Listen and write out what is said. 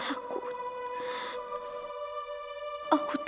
aku takut operasi ini gak berhasil